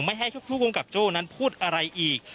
ไม่ให้ผู้กำกับโจ้นั้นพูดอะไรอีก